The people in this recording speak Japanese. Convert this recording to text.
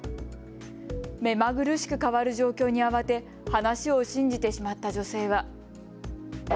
目まぐるしく変わる状況に慌て、話を信じてしまった女性は。